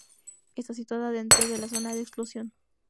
Está situada dentro del zona de exclusión.